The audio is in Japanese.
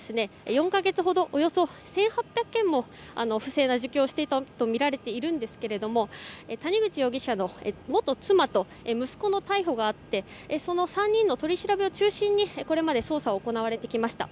４か月ほどおよそ１８００件も不正な受給をしていたとみられるんですが谷口容疑者の元妻と息子の逮捕があってその３人の取り調べを中心にこれまで捜査は行われてきました。